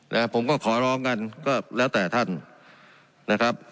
นะผมก็ขอร้องกันก็แล้วแต่ท่านนะครับ